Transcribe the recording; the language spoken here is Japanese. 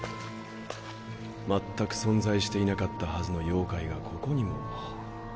まったく存在していなかったはずの妖怪がここにも。